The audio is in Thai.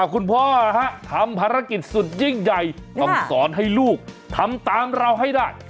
คุณพ่อทำภารกิจสุดยิ่งใหญ่ต้องสอนให้ลูกทำตามเราให้ได้